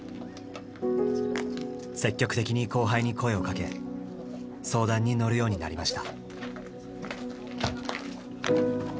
積極的に後輩に声をかけ相談に乗るようになりました。